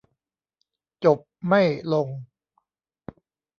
จบไม่ลง